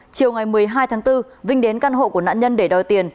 chiều ngày một mươi hai tháng bốn vinh đến căn hộ của nạn nhân để đòi tiền